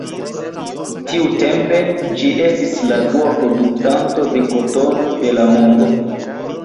Tiutempe, ĝi estis la dua produktanto de kotono de la mondo.